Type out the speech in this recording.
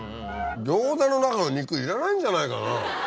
餃子の中の肉いらないんじゃないかな。